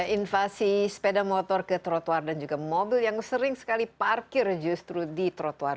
invasi sepeda motor ke trotoar dan juga mobil yang sering sekali parkir justru di trotoar